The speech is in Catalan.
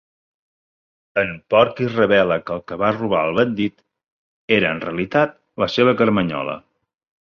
En Porky revela que el que va robar el bandit era en realitat la seva carmanyola.